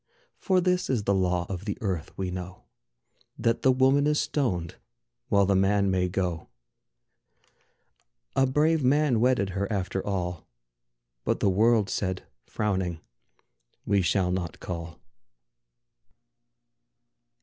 For this is the law of the earth, we know: That the woman is stoned, while the man may go. A brave man wedded her after all, But the world said, frowning, "We shall not call."